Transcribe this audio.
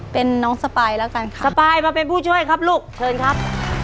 เป็นน้องสปายแล้วกันครับสปายมาเป็นผู้ช่วยครับลูกเชิญครับ